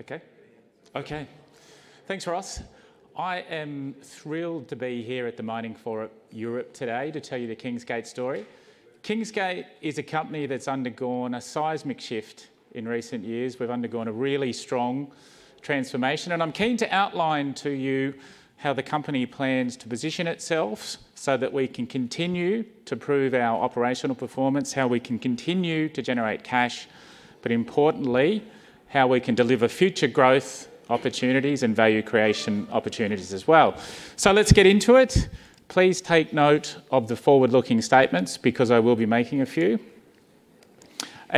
Okay. Thanks, Ross. I am thrilled to be here at the Mining Forum Europe today to tell you the Kingsgate story. Kingsgate is a company that's undergone a seismic shift in recent years. We've undergone a really strong transformation, and I'm keen to outline to you how the company plans to position itself so that we can continue to prove our operational performance, how we can continue to generate cash, but importantly, how we can deliver future growth opportunities and value creation opportunities as well. Let's get into it. Please take note of the forward-looking statements, because I will be making a few.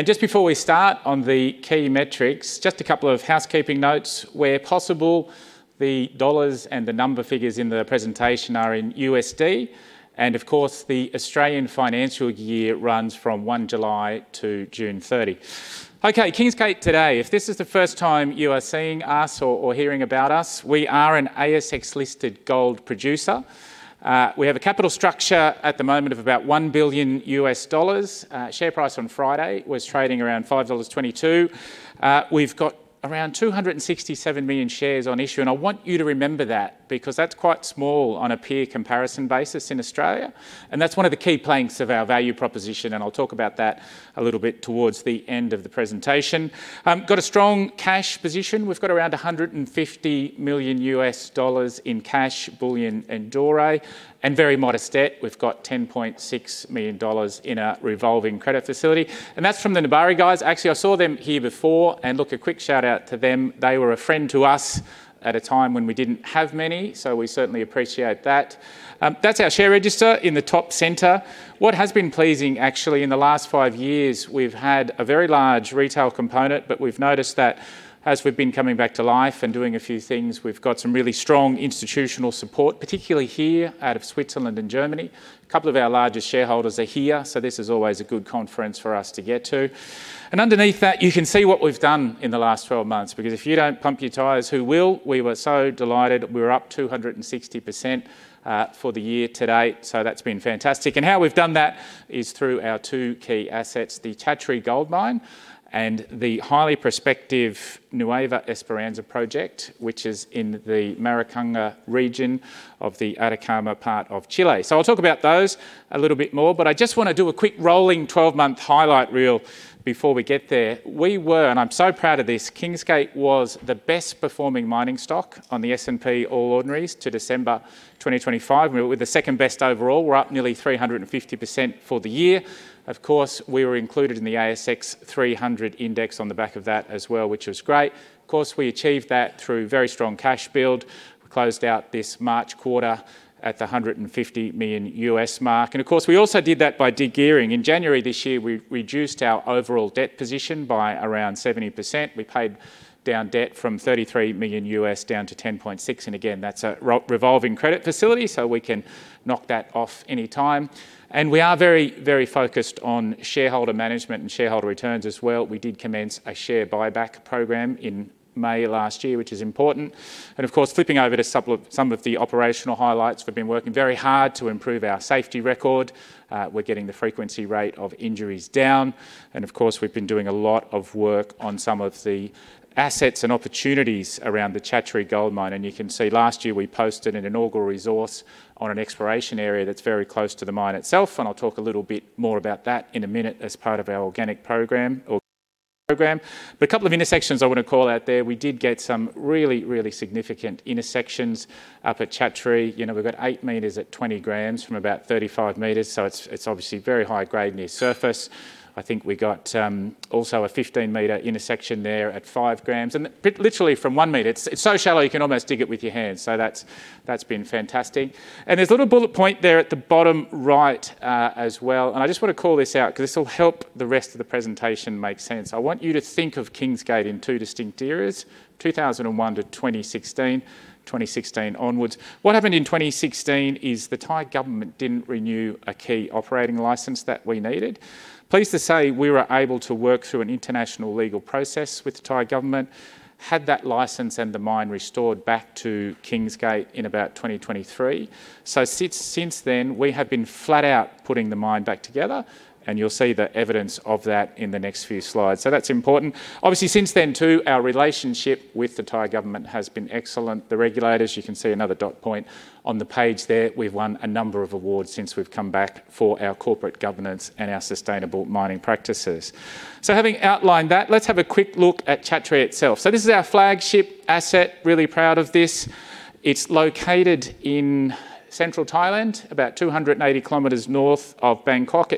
Just before we start on the key metrics, just a couple of housekeeping notes. Where possible, the dollars and the number figures in the presentation are in U.S. dollars. Of course, the Australian financial year runs from July 1 to June 30. Okay, Kingsgate today. If this is the first time you are seeing us or hearing about us, we are an ASX-listed gold producer. We have a capital structure at the moment of about $1 billion. Share price on Friday was trading around $5.22. We've got around 267 million shares on issue. I want you to remember that, because that's quite small on a peer comparison basis in Australia. That's one of the key planks of our value proposition, and I'll talk about that a little bit towards the end of the presentation. Got a strong cash position. We've got around $150 million in cash, bullion and doré. Very modest debt. We've got $10.6 million in a revolving credit facility. That's from the Nabari guys. Actually, I saw them here before. Look, a quick shout-out to them. They were a friend to us at a time when we didn't have many, so we certainly appreciate that. That's our share register in the top center. What has been pleasing, actually, in the last five years, we've had a very large retail component, but we've noticed that as we've been coming back to life and doing a few things, we've got some really strong institutional support, particularly here out of Switzerland and Germany. A couple of our largest shareholders are here, so this is always a good conference for us to get to. Underneath that, you can see what we've done in the last 12 months, because if you don't pump your tires, who will? We were so delighted. We were up 260% for the year to date, so that's been fantastic. How we've done that is through our two key assets, the Chatree Gold Mine and the highly prospective Nueva Esperanza project, which is in the Maricunga region of the Atacama part of Chile. I'll talk about those a little bit more, but I just want to do a quick rolling 12-month highlight reel before we get there. I'm so proud of this. Kingsgate was the best performing mining stock on the S&P All Ordinaries to December 2025. We're the second-best overall. We're up nearly 350% for the year. Of course, we were included in the ASX 300 index on the back of that as well, which was great. Of course, we achieved that through very strong cash build. We closed out this March quarter at the $150 million U.S. mark. Of course, we also did that by de-gearing. In January this year, we reduced our overall debt position by around 70%. We paid down debt from $33 million down to $10.6 million. And again, that's a revolving credit facility, so we can knock that off any time. And we are very focused on shareholder management and shareholder returns as well. We did commence a share buyback program in May last year, which is important. And of course, flipping over to some of the operational highlights. We've been working very hard to improve our safety record. We're getting the frequency rate of injuries down. And of course, we've been doing a lot of work on some of the assets and opportunities around the Chatree Gold Mine. And you can see last year, we posted an inaugural resource on an exploration area that's very close to the mine itself. I'll talk a little bit more about that in a minute as part of our organic program. A couple of intersections I want to call out there. We did get some really significant intersections up at Chatree. We've got 8 m at 20 g from about 35 m, so it's obviously very high grade near surface. I think we got also a 15 m intersection there at 5 g, literally from 1 m. It's so shallow, you can almost dig it with your hands. That's been fantastic. There's a little bullet point there at the bottom right as well. I just want to call this out because this will help the rest of the presentation make sense. I want you to think of Kingsgate in two distinct eras, 2001-2016, 2016 onwards. What happened in 2016 is the Thai government didn't renew a key operating license that we needed. Pleased to say we were able to work through an international legal process with the Thai government, had that license and the mine restored back to Kingsgate in about 2023. Since then, we have been flat out putting the mine back together, and you'll see the evidence of that in the next few slides. That's important. Obviously, since then too, our relationship with the Thai government has been excellent. The regulators, you can see another dot point on the page there. We've won a number of awards since we've come back for our corporate governance and our sustainable mining practices. Having outlined that, let's have a quick look at Chatree itself. This is our flagship asset. Really proud of this. It's located in central Thailand, about 280 km north of Bangkok.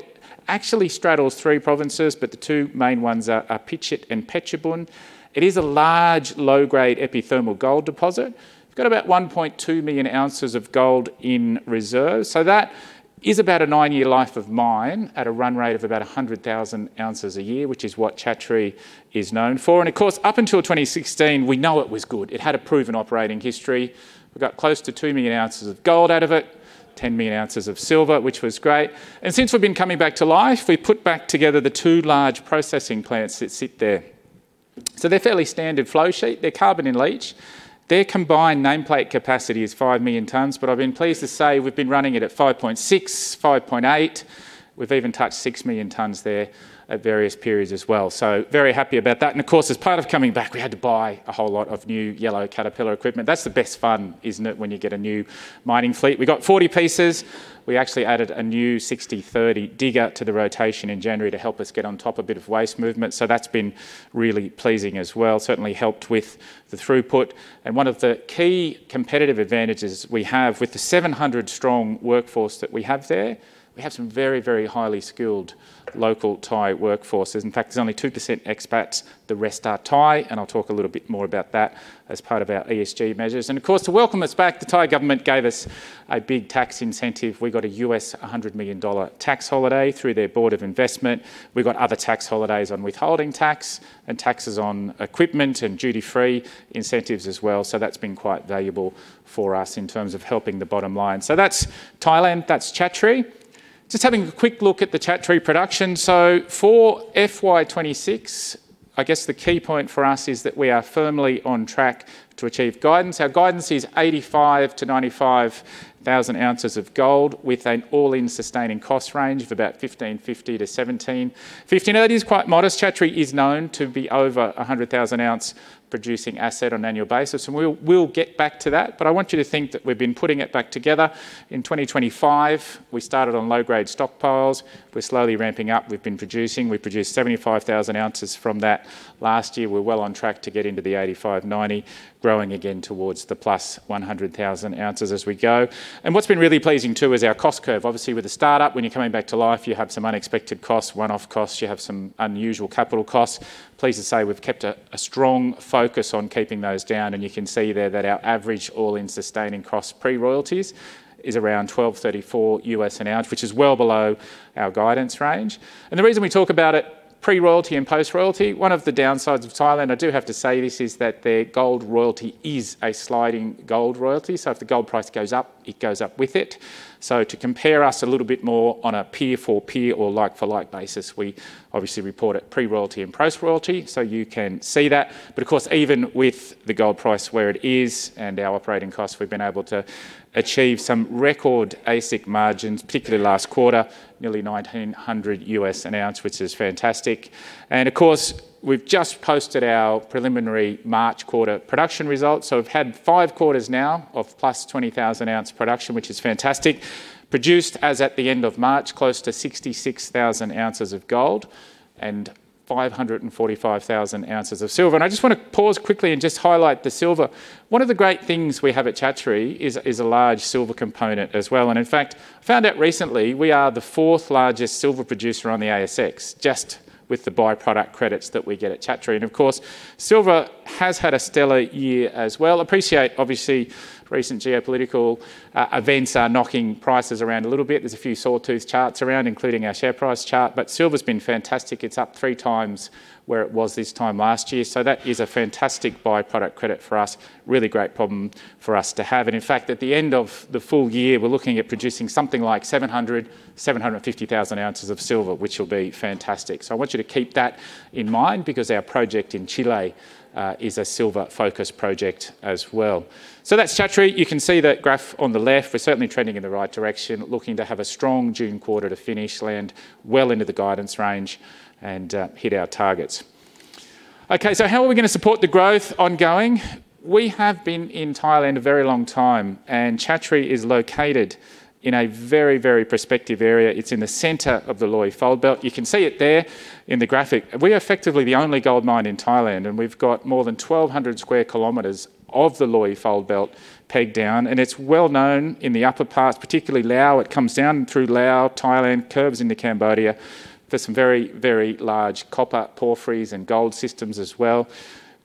It actually straddles three provinces, but the two main ones are Phichit and Phetchabun. It is a large, low-grade epithermal gold deposit. We've got about 1.2 million ounces of gold in reserve. That is about a nine-year life of mine at a run rate of about 100,000 ounces a year, which is what Chatree is known for. Of course, up until 2016, we know it was good. It had a proven operating history. We got close to 2 million ounces of gold out of it, 10 million ounces of silver, which was great. Since we've been coming back to life, we put back together the two large processing plants that sit there. They're fairly standard flow sheet. They're Carbon-in-Leach. Their combined nameplate capacity is 5 million tons, but I've been pleased to say we've been running it at 5.6 million, 5.8 million. We've even touched 6 million tons there at various periods as well, very happy about that. Of course, as part of coming back, we had to buy a whole lot of new yellow Caterpillar equipment. That's the best fun, isn't it, when you get a new mining fleet? We got 40 pieces. We actually added a new 6030 digger to the rotation in January to help us get on top a bit of waste movement. That's been really pleasing as well, certainly helped with the throughput. One of the key competitive advantages we have with the 700-strong workforce that we have there, we have some very, very highly skilled local Thai workforces. In fact, there's only 2% expats, the rest are Thai, and I'll talk a little bit more about that as part of our ESG measures. Of course, to welcome us back, the Thai government gave us a big tax incentive. We got a $100 million tax holiday through their Board of Investment. We got other tax holidays on withholding tax and taxes on equipment and duty-free incentives as well. That's been quite valuable for us in terms of helping the bottom line. That's Thailand, that's Chatree. Just having a quick look at the Chatree production. For FY 2026, I guess the key point for us is that we are firmly on track to achieve guidance. Our guidance is 85,000-95,000 ounces of gold with an all-in sustaining cost range of about $1,550-$1,750. Now, it is quite modest. Chatree is known to be over 100,000 ounce producing asset on an annual basis, and we'll get back to that. I want you to think that we've been putting it back together. In 2025, we started on low-grade stockpiles. We're slowly ramping up. We've been producing. We produced 75,000 ounces from that last year. We're well on track to get into the 85,000, 90,000, growing again towards the plus 100,000 ounces as we go. What's been really pleasing too is our cost curve. Obviously, with the startup, when you're coming back to life, you have some unexpected costs, one-off costs, you have some unusual capital costs. Pleased to say we've kept a strong focus on keeping those down, and you can see there that our average all-in sustaining cost pre-royalties is around $1,234 an ounce, which is well below our guidance range. The reason we talk about it pre-royalty and post-royalty, one of the downsides of Thailand, I do have to say this, is that their gold royalty is a sliding gold royalty. If the gold price goes up, it goes up with it. To compare us a little bit more on a peer-for-peer or like-for-like basis, we obviously report it pre-royalty and post-royalty, so you can see that. Of course, even with the gold price where it is and our operating costs, we've been able to achieve some record basic margins, particularly last quarter, nearly $1,900 an ounce, which is fantastic. Of course, we've just posted our preliminary March quarter production results. We've had five quarters now of plus 20,000 ounce production, which is fantastic. We produced, as at the end of March, close to 66,000 ounces of gold and 545,000 ounces of silver. I just want to pause quickly and just highlight the silver. One of the great things we have at Chatree is a large silver component as well. In fact, I found out recently we are the fourth largest silver producer on the ASX, just with the by-product credits that we get at Chatree. Of course, silver has had a stellar year as well. Appreciate, obviously, recent geopolitical events are knocking prices around a little bit. There's a few sawtooth charts around, including our share price chart. Silver's been fantastic. It's up three times where it was this time last year. That is a fantastic by-product credit for us. Really great problem for us to have. In fact, at the end of the full year, we're looking at producing something like 700,000-750,000 ounces of silver, which will be fantastic. I want you to keep that in mind because our project in Chile is a silver focus project as well. That's Chatree. You can see that graph on the left. We're certainly trending in the right direction, looking to have a strong June quarter to finish, land well into the guidance range, and hit our targets. Okay. How are we going to support the growth ongoing? We have been in Thailand a very long time, and Chatree is located in a very, very prospective area. It's in the center of the Loei Fold Belt. You can see it there in the graphic. We are effectively the only gold mine in Thailand, and we've got more than 1,200 sq km of the Loei Fold Belt pegged down, and it's well known in the upper parts, particularly Laos. It comes down through Laos, Thailand, curves into Cambodia for some very, very large copper porphyries and gold systems as well.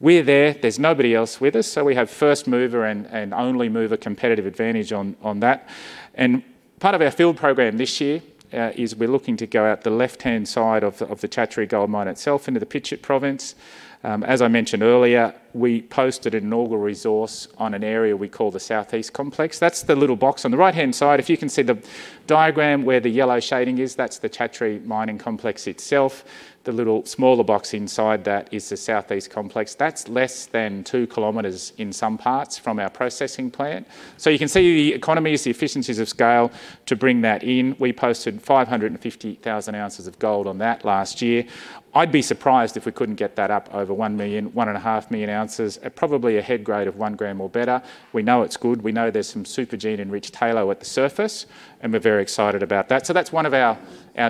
We're there. There's nobody else with us, so we have first mover and only mover competitive advantage on that. Part of our field program this year is we're looking to go out the left-hand side of the Chatree Gold Mine itself into the Phichit province. As I mentioned earlier, we posted an inaugural resource on an area we call the South-East Complex. That's the little box on the right-hand side. If you can see the diagram where the yellow shading is, that's the Chatree mining complex itself. The little smaller box inside that is the South-East Complex. That's less than 2 km in some parts from our processing plant. You can see the economies, the efficiencies of scale to bring that in. We posted 550,000 ounces of gold on that last year. I'd be surprised if we couldn't get that up over 1 million, 1.5 Million ounces, at probably a head grade of 1 g or better. We know it's good. We know there's some supergene-enriched halo at the surface, and we're very excited about that. That's one of our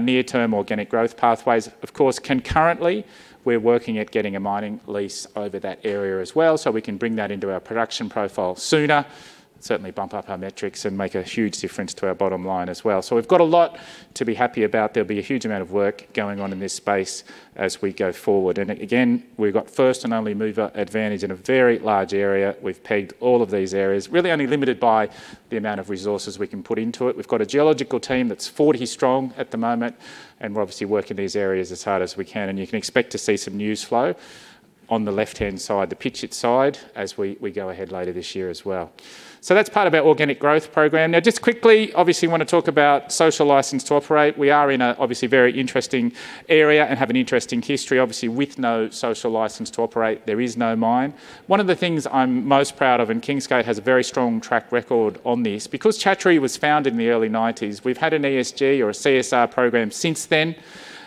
near-term organic growth pathways. Of course, concurrently, we're working at getting a mining lease over that area as well so we can bring that into our production profile sooner, certainly bump up our metrics and make a huge difference to our bottom line as well. We've got a lot to be happy about. There'll be a huge amount of work going on in this space as we go forward. Again, we've got first and only mover advantage in a very large area. We've pegged all of these areas, really only limited by the amount of resources we can put into it. We've got a geological team that's 40 strong at the moment, and we're obviously working these areas as hard as we can, and you can expect to see some news flow on the left-hand side, the pit side, as we go ahead later this year as well. That's part of our organic growth program. Now, just quickly, obviously, I want to talk about social license to operate. We are in an obviously very interesting area and have an interesting history. Obviously, with no social license to operate, there is no mine. One of the things I'm most proud of, and Kingsgate has a very strong track record on this, because Chatree was founded in the early 1990s. We've had an ESG or a CSR program since then.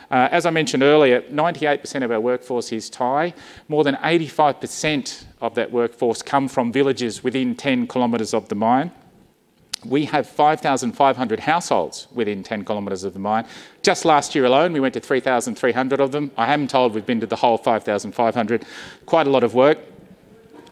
As I mentioned earlier, 98% of our workforce is Thai. More than 85% of that workforce come from villages within 10 km of the mine. We have 5,500 households within 10 km of the mine. Just last year alone, we went to 3,300 of them. I haven't told we've been to the whole 5,500. Quite a lot of work.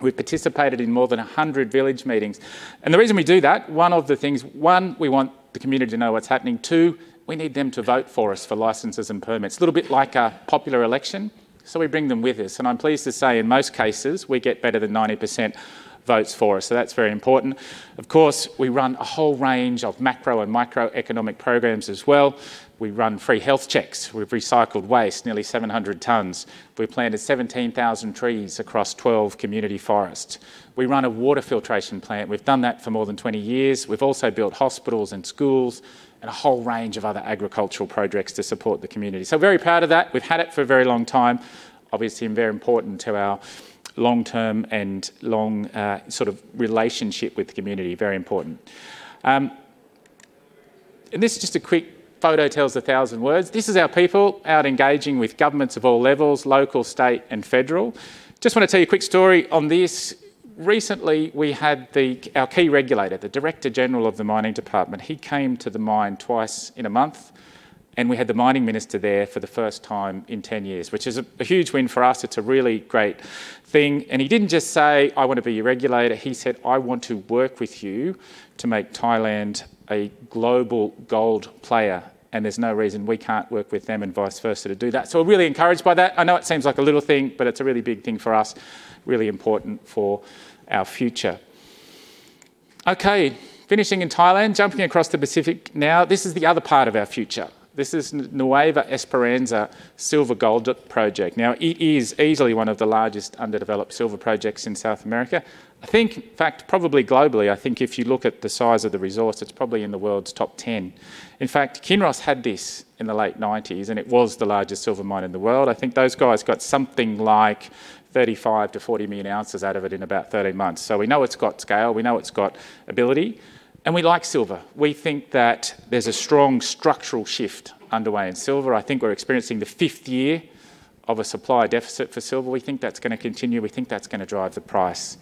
We've participated in more than 100 village meetings. The reason we do that, one of the things, one, we want the community to know what's happening. Two, we need them to vote for us for licenses and permits. A little bit like a popular election, so we bring them with us. I'm pleased to say, in most cases, we get better than 90% votes for us. That's very important. Of course, we run a whole range of macro and microeconomic programs as well. We run free health checks. We've recycled waste, nearly 700 tons. We've planted 17,000 trees across 12 community forests. We run a water filtration plant. We've done that for more than 20 years. We've also built hospitals and schools and a whole range of other agricultural projects to support the community. Very proud of that. We've had it for a very long time. Obviously, and very important to our long-term and long sort of relationship with the community, very important. This is just a quick photo tells 1,000 words. This is our people out engaging with governments of all levels, local, state, and federal. I just want to tell you a quick story on this. Recently, we had our key regulator, the Director General of the Mining Department. He came to the mine twice in a month, and we had the Mining Minister there for the first time in 10 years, which is a huge win for us. It's a really great thing. He didn't just say, I want to be your regulator. He said, I want to work with you to make Thailand a global gold player. There's no reason we can't work with them and vice versa to do that. We're really encouraged by that. I know it seems like a little thing, but it's a really big thing for us, really important for our future. Okay, finishing in Thailand, jumping across the Pacific now. This is the other part of our future. This is Nueva Esperanza Silver Gold Project. Now, it is easily one of the largest underdeveloped silver projects in South America. I think, in fact, probably globally, I think if you look at the size of the resource, it's probably in the world's top 10. In fact, Kinross had this in the late 1990s, and it was the largest silver mine in the world. I think those guys got something like 35 million ounces-40 million ounces out of it in about 30 months. We know it's got scale, we know it's got ability, and we like silver. We think that there's a strong structural shift underway in silver. I think we're experiencing the fifth year of a supply deficit for silver. We think that's going to continue. We think that's going to drive the price.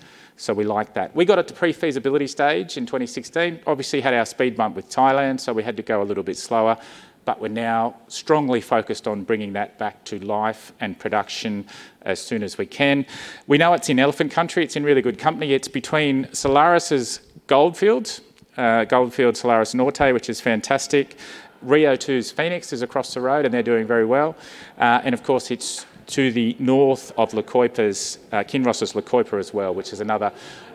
We like that. We got it to pre-feasibility stage in 2016. Obviously, we had our speed bump with Thailand, so we had to go a little bit slower, but we're now strongly focused on bringing that back to life and production as soon as we can. We know it's in elephant country. It's in really good company. It's between Solaris, Gold Fields, Gold Fields' Salares Norte, which is fantastic. Rio2's Fenix is across the road, and they're doing very well. Of course, it's to the north of Kinross' La Coipa as well, which is another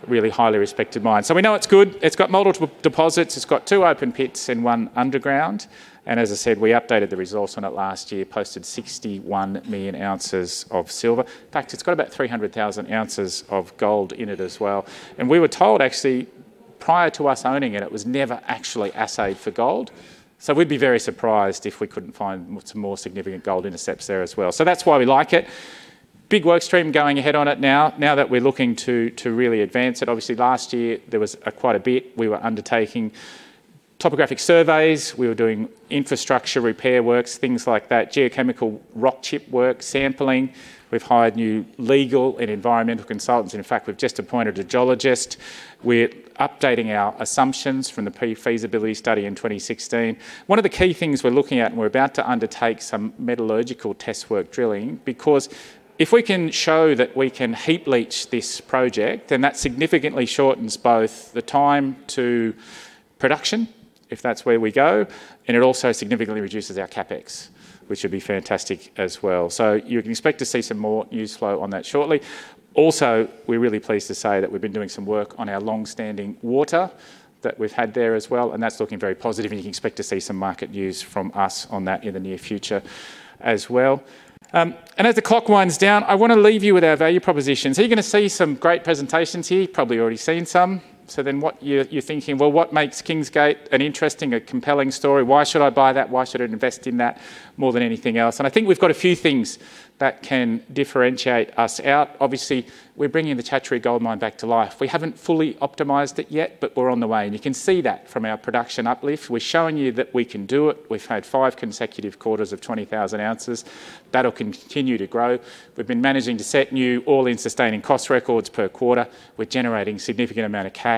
really highly respected mine. We know it's good. It's got multiple deposits. It's got two open pits and one underground. As I said, we updated the resource on it last year, posted 61 million ounces of silver. In fact, it's got about 300,000 ounces of gold in it as well. We were told actually, prior to us owning it was never actually assayed for gold. We'd be very surprised if we couldn't find some more significant gold intercepts there as well. That's why we like it. Big work stream going ahead on it now that we're looking to really advance it. Obviously, last year, there was quite a bit. We were undertaking topographic surveys, we were doing infrastructure repair works, things like that, geochemical rock chip work, sampling. We've hired new legal and environmental consultants. In fact, we've just appointed a geologist. We're updating our assumptions from the pre-feasibility study in 2016. One of the key things we're looking at, and we're about to undertake some metallurgical test work drilling. Because if we can show that we can heap leach this project, then that significantly shortens both the time to production, if that's where we go, and it also significantly reduces our CapEx, which would be fantastic as well. You can expect to see some more news flow on that shortly. Also, we're really pleased to say that we've been doing some work on our long-standing water that we've had there as well, and that's looking very positive, and you can expect to see some market news from us on that in the near future as well. As the clock winds down, I want to leave you with our value propositions. You're going to see some great presentations here. You've probably already seen some. What you're thinking, well, what makes Kingsgate an interesting, a compelling story? Why should I buy that? Why should I invest in that more than anything else? I think we've got a few things that can differentiate us out. Obviously, we're bringing the Chatree Gold Mine back to life. We haven't fully optimized it yet, but we're on the way. You can see that from our production uplift. We're showing you that we can do it. We've had five consecutive quarters of 20,000 ounces. That'll continue to grow. We've been managing to set new all-in sustaining cost records per quarter. We're generating significant amount of cash.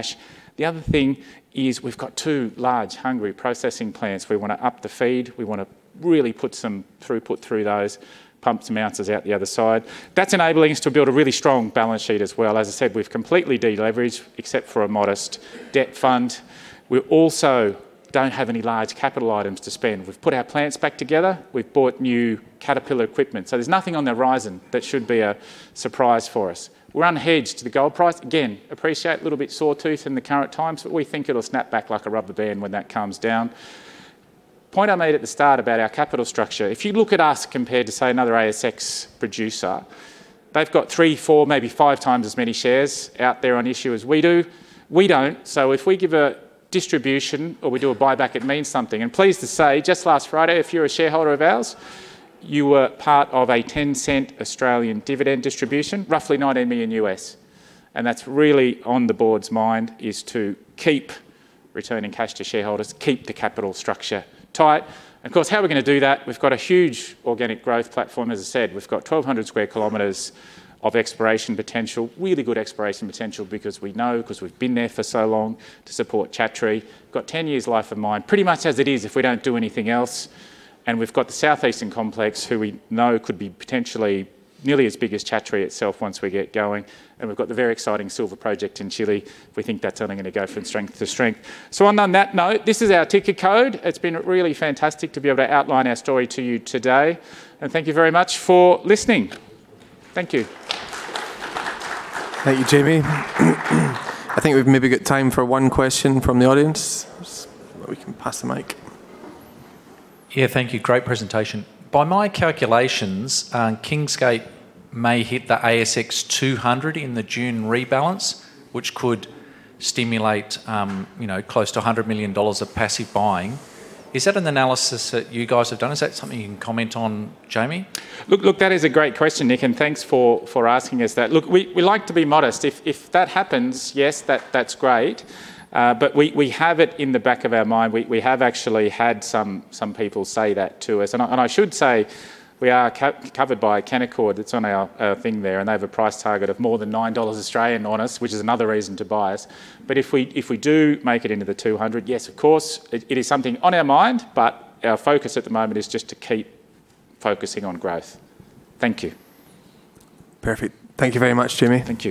The other thing is we've got two large hungry processing plants. We want to up the feed. We want to really put some throughput through those, pump some ounces out the other side. That's enabling us to build a really strong balance sheet as well. As I said, we've completely de-leveraged, except for a modest debt fund. We also don't have any large capital items to spend. We've put our plants back together. We've bought new Caterpillar equipment. There's nothing on the horizon that should be a surprise for us. We're unhedged to the gold price. Again, appreciate a little bit sore tooth in the current times, but we think it'll snap back like a rubber band when that calms down. The point I made at the start about our capital structure, if you look at us compared to, say, another ASX producer, they've got three, four, maybe five times as many shares out there on issue as we do. We don't. If we give a distribution or we do a buyback, it means something. Pleased to say, just last Friday, if you're a shareholder of ours, you were part of a 0.10 Australian dividend distribution, roughly $90 million. That's really on the Board's mind, is to keep returning cash to shareholders, keep the capital structure tight. Of course, how are we going to do that? We've got a huge organic growth platform. As I said, we've got 1,200 sq km of exploration potential, really good exploration potential because we know, because we've been there for so long to support Chatree. We've got 10 years life of mine, pretty much as it is, if we don't do anything else. We've got the South-East Complex, who we know could be potentially nearly as big as Chatree itself once we get going. We've got the very exciting silver project in Chile. We think that's only going to go from strength to strength. On that note, this is our ticker code. It's been really fantastic to be able to outline our story to you today. Thank you very much for listening. Thank you. Thank you, Jamie. I think we've maybe got time for one question from the audience. We can pass the mic. Yeah, thank you. Great presentation. By my calculations, Kingsgate may hit the ASX 200 in the June rebalance, which could stimulate close to $100 million of passive buying. Is that an analysis that you guys have done? Is that something you can comment on, Jamie? Look, that is a great question, Nick, and thanks for asking us that. Look, we like to be modest. If that happens, yes, that's great. We have it in the back of our mind. We have actually had some people say that to us. I should say we are covered by Canaccord. It's on our thing there, and they have a price target of more than 9 Australian dollars on us, which is another reason to buy us. If we do make it into the 200, yes, of course, it is something on our mind, but our focus at the moment is just to keep focusing on growth. Thank you. Perfect. Thank you very much, Jamie. Thank you.